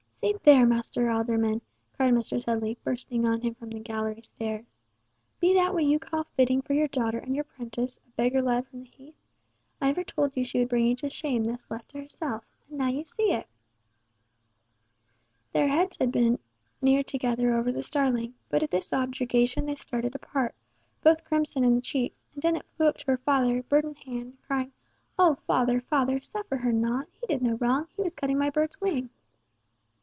"See there, Master Alderman," cried Mistress Headley, bursting on him from the gallery stairs. "Be that what you call fitting for your daughter and your prentice, a beggar lad from the heath? I ever told you she would bring you to shame, thus left to herself. And now you see it." [Illustration: "See there, Master Alderman"] Their heads had been near together over the starling, but at this objurgation they started apart, both crimson in the cheeks, and Dennet flew up to her father, bird in hand, crying, "O father, father! suffer her not. He did no wrong. He was cutting my bird's wing."